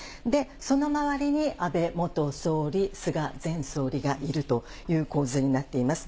その周りに安倍元総理、菅前総理がいるという構図になっています。